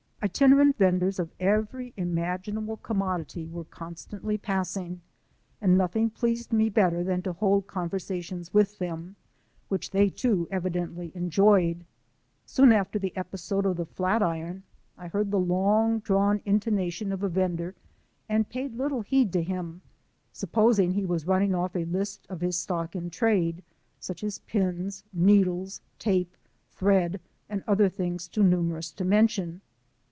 Itinerant venders of every imaginable commodity were constantly passing, and nothing pleased me better than to hold conversations with them, which they too evidently enjoyed. Soon after the episode of the flat iron, I heard the long drawn in tonation of a vender and paid little heed to him, supposing he was running off a list of his stock in trade, such as pins, needles, tape, thread and other things too numerous to mention.